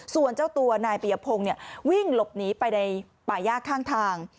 ส่วนเจ้าตัวนายปียพงศ์วิ่งหลบหนีไปในป่าย่าข้างทาง